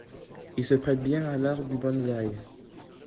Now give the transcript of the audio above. Il se prête bien à l'art du bonsaï.